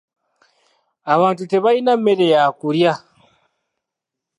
Abantu tebalina mmere ya kulya.